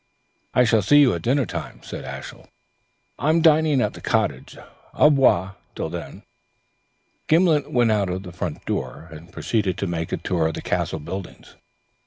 "I shall see you at dinner time," said Ashiel. "I am dining at the cottage. Au revoir till then." Gimblet went out of the front door, and proceeded to make a tour of the Castle buildings.